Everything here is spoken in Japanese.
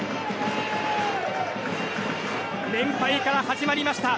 連敗から始まりました。